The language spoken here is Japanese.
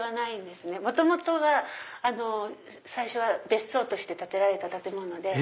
元々は最初は別荘として建てられた建物で。